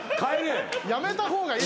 やめた方がいい。